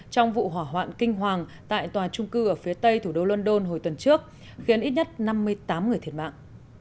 trong vụ hỏa hoạn kinh hoàng tại tòa trung cư ở phía tây thủ đô london hồi tuần trước khiến ít nhất năm mươi tám người thiệt mạng